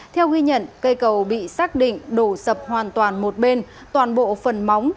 theo ghi nhận cây cầu bị xác định đổ sập hoàn toàn một bên toàn bộ phần móng